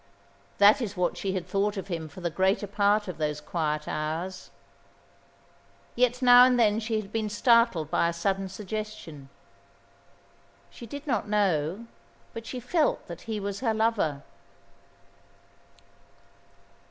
That is what she had thought of him for the greater part of those quiet hours. Yet now and then she had been startled by a sudden suggestion. She did not know, but she felt that he was her lover.